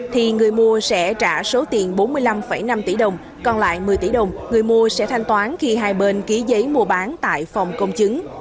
thì người mua sẽ trả số tiền bốn mươi năm năm tỷ đồng còn lại một mươi tỷ đồng người mua sẽ thanh toán khi hai bên ký giấy mua bán tại phòng công chứng